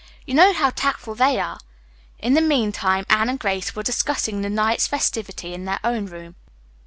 You know how tactful they are?" In the meantime Anne and Grace were discussing the night's festivity in their own room.